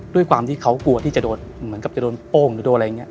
ด้วยความที่เขากลัวที่จะโดนเหมือนกับจะโดนโป้งหรือโดนอะไรอย่างนี้